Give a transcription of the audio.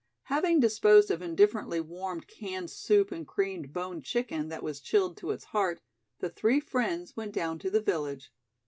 Having disposed of indifferently warmed canned soup and creamed boned chicken that was chilled to its heart, the three friends went down to the village.